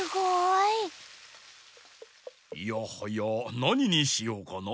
いやはやなににしようかな。